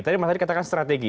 tadi mas adit katakan strategi ya